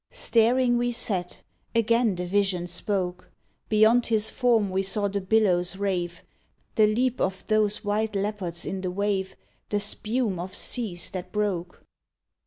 Staring we sat; again the Vision spoke. Beyond his form we saw the billows rave, — The leap of those white leopards in the wave, — The spume of seas that broke.